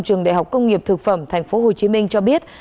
trường đại học công nghiệp thực phẩm tp hcm cho biết